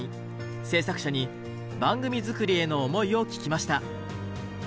制作者に番組作りへの思いを聞きました。